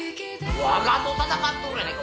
わがと戦っとるやないか！